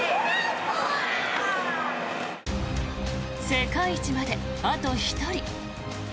世界一まであと１人。